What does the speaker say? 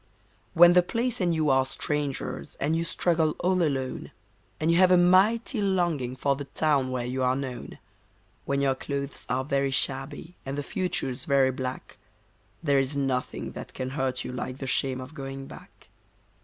When the place and you are strangers and you struggle all alone, And you have a mighty longing for the town where you are known; When your clothes are very shabby and the future's very black, There is nothing that can hurt you like the shame of going back.